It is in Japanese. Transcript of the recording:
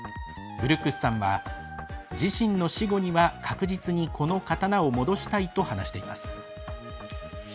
ブルックスさんは「自身の死後には確実に、この刀を戻したい」と話しています。